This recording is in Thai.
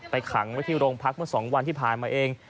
ขังไว้ที่โรงพักเมื่อ๒วันที่ผ่านมาเอง